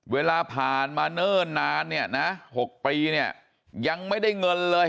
เวลาผ่านมาเนิ่นนานเนี่ยนะ๖ปีเนี่ยยังไม่ได้เงินเลย